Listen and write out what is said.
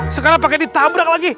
sekarang pakai ditabrak lagi